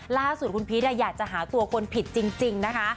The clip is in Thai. ล่าสุดคุณพีชอยากจะหาตัวคนผิดจริงนะคะ